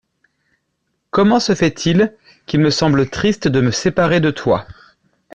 Comment se fait-il qu’il me semble triste de me séparer de toi ?